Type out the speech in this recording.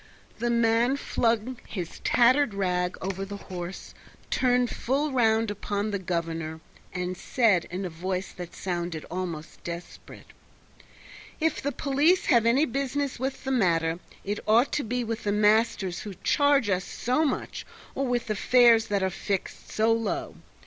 The man flung his tattered rug over the horse, turned full round upon the Governor and said in a voice that sounded almost desperate: "If the police have any business with the matter it ought to be with the masters who charge us so much, or with the fares that are fixed so low.